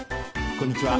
こんにちは。